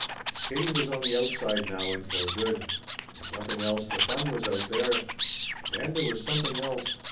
Katie was on the outside now, and for good. If nothing else, the fun was out there. And there was something else.